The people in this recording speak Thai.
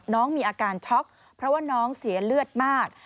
น้องมีอาการช็อกเพราะว่าน้องเสียเลือดมาก